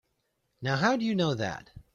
Now how'd you know that?